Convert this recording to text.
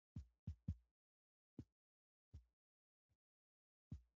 آمو سیند د افغانانو د معیشت یوه سرچینه ده.